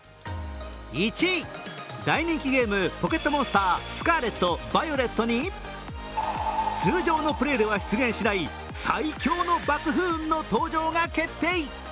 大人気ゲーム「ポケットモンスタースカーレット・バイオレット」に通常のプレーでは出現しない最強のバクフーンの登場が決定。